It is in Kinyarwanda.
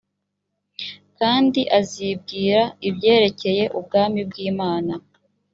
kandi azibwira ibyerekeye ubwami bw imana